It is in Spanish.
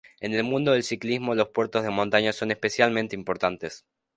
En el mundo del ciclismo los puertos de montaña son especialmente importantes.